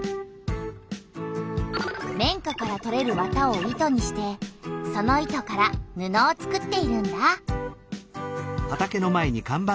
綿花からとれる綿を糸にしてその糸から布をつくっているんだ。